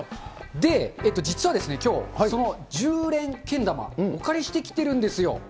実はきょう、その１０連けん玉お借りしてきてるんですよ。